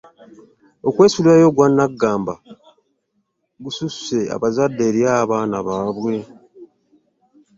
Okwesuulirayo ogwa naggamba kususse abazadde eri abaana baabwe.